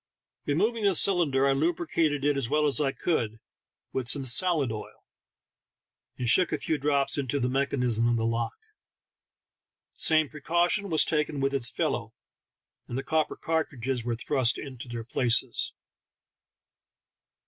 Removing the cylinder, I lubricated it as well as I could with some salad oil, and shook a few drops into the mechanism of the lock ; the same precaution was taken with its fellow, and 26 THE TALKING HANDKERCHIEE. the copper cartridges were thrust into their places.